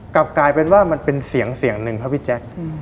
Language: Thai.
กลับกลายเป็นว่ามันเป็นเสียงเสียงหนึ่งครับพี่แจ๊ค